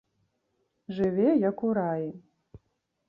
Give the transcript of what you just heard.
Жыве, як у раі.